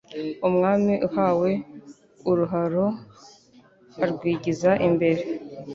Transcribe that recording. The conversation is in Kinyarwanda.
Umwami uhawe uruharo Arwigiza imbere.